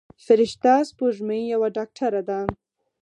فرشته سپوږمۍ یوه ډاکتره ده.